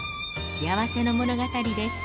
幸せの物語です。